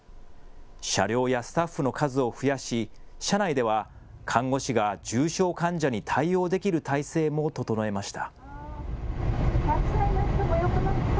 車両やスタッフの数を増やし車内では看護師が重症患者に対応できる態勢も整えました。